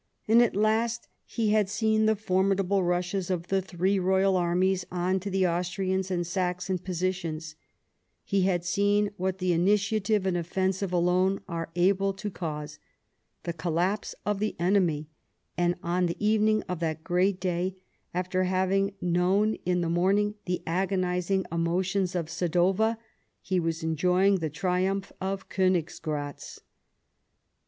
And at last he had seen the formidable rushes of the three royal armies on to the Austrian and Saxon positions ; he had seen what the initiative and offensive alone are able to cause — the collapse of the enemy ; and on the even ing of that great day, after having known in the morning the agonising emotions of Sadowa, he was enjoying the triumph of Koniggratz.